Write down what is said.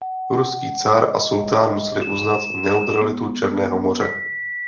Ruský car a sultán museli uznat neutralitu Černého moře.